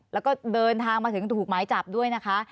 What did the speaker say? แล้วก็เดินทางมาถึงถูกหมายจับด้วยนะคะ